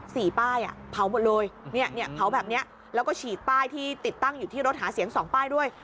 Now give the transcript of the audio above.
สี่ป้ายอ่ะเผาหมดเลยเนี่ยเนี่ยเผาแบบเนี้ยแล้วก็ฉีดป้ายที่ติดตั้งอยู่ที่รถหาเสียงสองป้ายด้วย